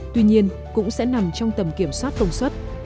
tuy nhiên cũng sẽ nằm trong tầm kiểm soát công suất